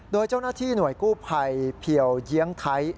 โดยเจ้าหน้าที่หน่วยกู้ภัยเพียวเยียงไทย